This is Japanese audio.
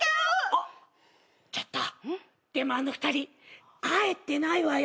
あっちょっとでもあの２人帰ってないわよ。